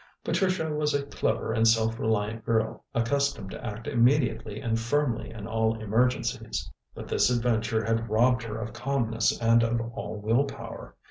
Patricia was a clever and self reliant girl, accustomed to act immediately and firmly in all emergencies. But this adventure had robbed her of calmness and of all will power.